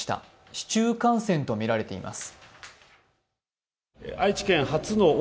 市中感染とみられています。